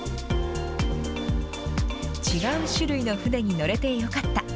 違う種類の船に乗れてよかった。